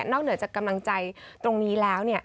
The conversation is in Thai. เหนือจากกำลังใจตรงนี้แล้ว